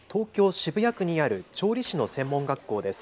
渋谷区にある調理師の専門学校です。